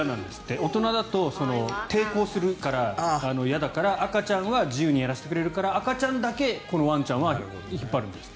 大人だと抵抗するから、嫌だから赤ちゃんは自由にやらせてくれるから赤ちゃんだけこのワンちゃんは引っ張るんですって。